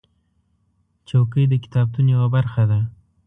چوکۍ د کتابتون یوه برخه ده.